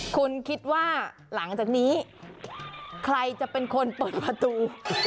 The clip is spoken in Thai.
คุณคิดว่าหลังจากนี้ใครจะเป็นคนเปิดประตู